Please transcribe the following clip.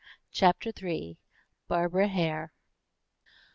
CHAPTER III. BARBARA HARE.